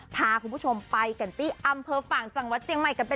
พาคุณผู้ชมไปที่อำเภอฟากจากวัดเจียงใหม่ไปด้วย